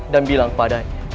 dan bilang padanya